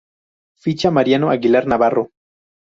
Ficha Mariano Aguilar Navarro